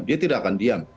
dia tidak akan diam